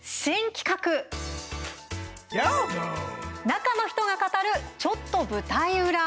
「中の人が語るちょっと舞台裏」。